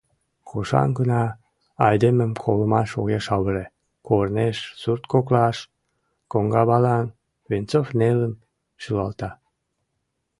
Кушан гына айдемым колымаш огеш авыре: корнеш, сурт коклаш, коҥгавалан— Венцов нелын шӱлалта.